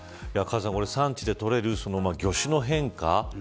カズさん、産地で取れる魚種の変化。